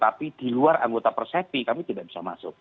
tapi di luar anggota persepi kami tidak bisa masuk